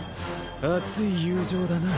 熱い友情だな。